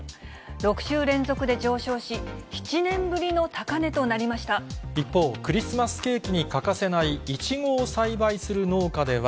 ６週連続で上昇し、７年ぶりの高一方、クリスマスケーキに欠かせないいちごを栽培する農家では、